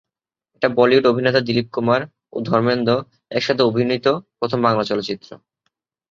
এটা বলিউড অভিনেতা দিলীপ কুমার ও ধর্মেন্দ্র একসাথে অভিনীত প্রথম বাংলা চলচ্চিত্র।